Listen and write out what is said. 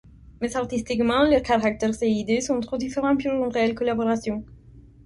Mais artistiquement, leurs caractères et idées sont trop différents pour une réelle collaboration.